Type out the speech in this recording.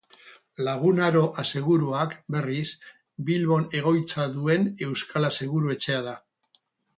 Lagun Aro Aseguruak, berriz, Bilbon egoitza duen euskal aseguru-etxea da.